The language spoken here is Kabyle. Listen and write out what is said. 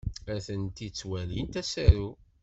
Atenti ttwalint asaru.